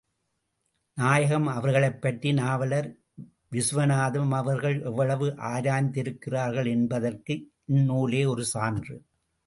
நாயகம் அவர்களைப் பற்றி நாவலர் விசுவநாதம் அவர்கள் எவ்வளவு ஆராய்ந்திருக்கிறார்கள் என்பதற்கு இந்நூலே ஒரு சான்று.